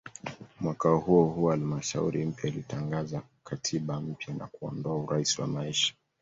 Mwaka huohuo halmashauri mpya ilitangaza katiba mpya na kuondoa "urais wa maisha".